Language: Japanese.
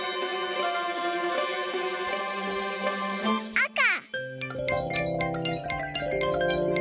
あか！